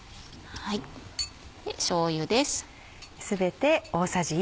しょうゆです。